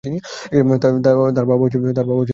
তার বাবা সংসদ সদস্য ছিলেন।